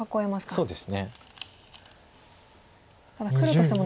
そうですね